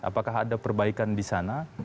apakah ada perbaikan di sana